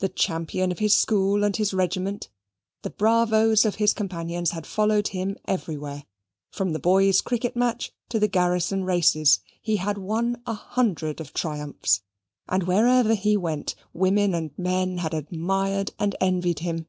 The champion of his school and his regiment, the bravos of his companions had followed him everywhere; from the boys' cricket match to the garrison races, he had won a hundred of triumphs; and wherever he went women and men had admired and envied him.